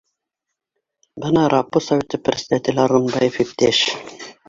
Бына РАПО советы председателе Арғынбаев иптәш